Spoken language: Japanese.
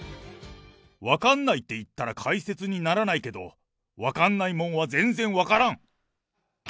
分かんないって言ったら解説にならないけど、分かんないもんは全然分からん。